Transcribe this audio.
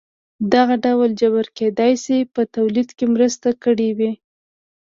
دغه ډول جبر کېدای شي په تولید کې مرسته کړې وي.